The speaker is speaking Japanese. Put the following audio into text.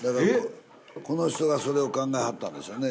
この人がそれを考えはったんですよね。